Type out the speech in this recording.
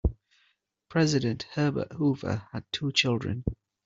President Herbert Hoover had two children.